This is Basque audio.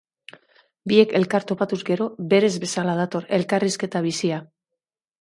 Biek elkar topatuz gero, berez bezala dator elkarrizketa bizia.